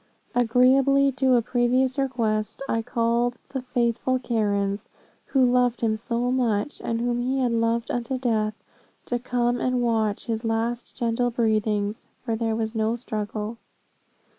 Agreeably to a previous request, I called the faithful Karens, who loved him so much, and whom he had loved unto death, to come and watch his last gentle breathings, for there was no struggle.